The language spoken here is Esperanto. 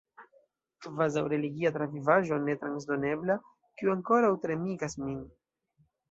Kvazaŭ religia travivaĵo ne transdonebla, kiu ankoraŭ tremigas min.